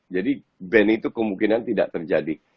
jadi ban itu kemungkinan tidak terjadi